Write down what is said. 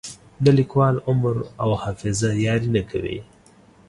د لیکوال عمر او حافظه یاري نه کوي.